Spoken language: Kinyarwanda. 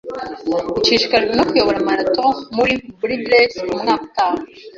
Nshishikajwe no kuyobora marato muri Bildersee umwaka utaha.